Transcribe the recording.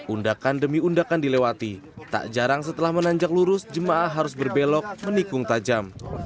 undakan demi undakan dilewati tak jarang setelah menanjak lurus jemaah harus berbelok menikung tajam